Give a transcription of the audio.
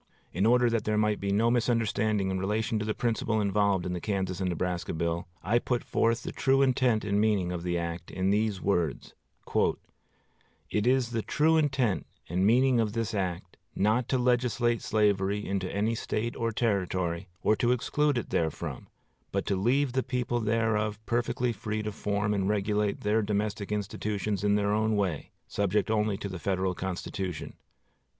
In order that there might be no misunderstanding in relation to the principle involved in the Kansas and Nebraska bill, I put forth the true intent and meaning of the act in these words: "It is the true intent and meaning of this act not to legislate slavery into any State or Territory, or to exclude it therefrom, but to leave the people thereof perfectly free to form and regulate their domestic institutions in their own way, subject only to the Federal Constitution."